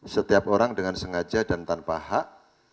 setiap orang dengan sengaja dan tanpa hak